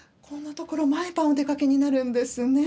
このところ毎晩お出かけになるんですね。